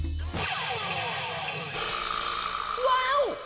ワオ！